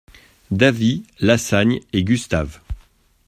Davy, Lassagne et Gustave.